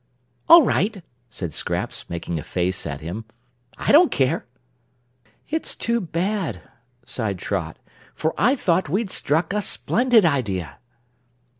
"All right," said Scraps, making a face at him; "I don't care." "It's too bad," sighed Trot, "for I thought we'd struck a splendid idea."